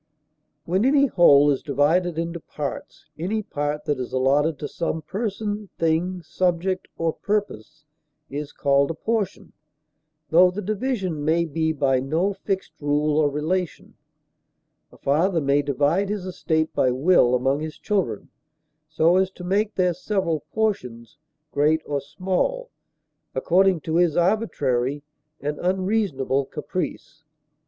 When any whole is divided into parts, any part that is allotted to some person, thing, subject or purpose is called a portion, tho the division may be by no fixed rule or relation; a father may divide his estate by will among his children so as to make their several portions great or small, according to his arbitrary and unreasonable caprice.